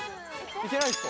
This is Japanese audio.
いけないですか？